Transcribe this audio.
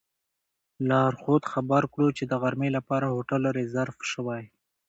لارښود خبر کړو چې د غرمې لپاره هوټل ریزرف شوی.